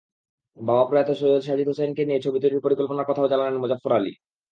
বাবা প্রয়াত সৈয়দ সাজিদ হুসেইনকে নিয়ে ছবি তৈরির পরিকল্পনার কথাও জানালেন মোজাফফর আলী।